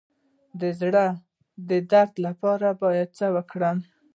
د زړه د درد لپاره باید څه وکړم؟